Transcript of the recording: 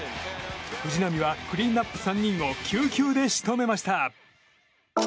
藤浪はクリーンアップ３人を９球で仕留めました。